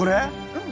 うん。